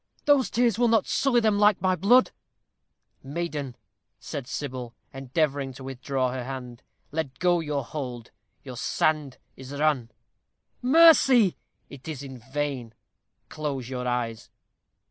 Those tears will not sully them like my blood." "Maiden," said Sybil, endeavoring to withdraw her hand, "let go your hold your sand is run." "Mercy!" "It is in vain. Close your eyes."